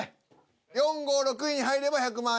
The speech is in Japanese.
４５６位に入れば１００万円。